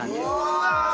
◆うわ！